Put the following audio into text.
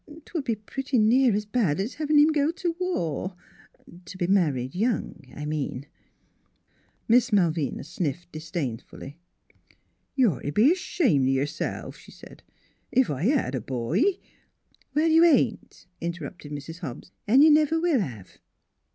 'Twould be pretty near as bad as having him go to war to be married young, I mean." Miss Malvina sniffed disdainfully. ' You'd ought t' be ashamed o' yourself," she said. " Ef I had a boy " Well, you ain't," interrupted Mrs. Hobbs. " An' you never will have."